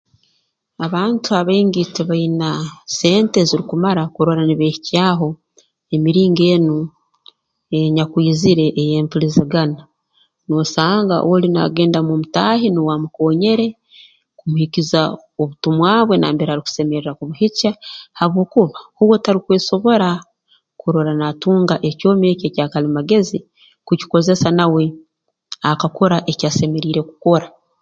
Abantu abaingi tibaine sente ezirukumara kurora nibeehikyaho emiringo enu eyeenyakwizire ey'empilizigana noosanga oli naagenda mw'omutaahi nuwe amukoonyere kumuhikiza obutumwa bwe nambere arukusemerra kubuhikya habwokuba huwe tarukwesobora kurora naatunga ekyoma eki ekyalimagezi kukikozesa nawe akakora eki asemeriire kukora